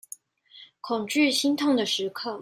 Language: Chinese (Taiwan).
恐懼心痛的時刻